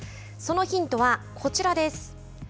そのヒントはこちらです。